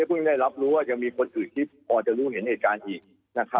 เพิ่งได้รับรู้ว่ายังมีคนอื่นที่พอจะรู้เห็นเหตุการณ์อีก